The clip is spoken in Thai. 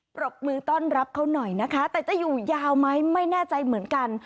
ปรบมือต้อนรับเขาหน่อยนะคะแต่จะอยู่ยาวไหมไม่แน่ใจเหมือนกัน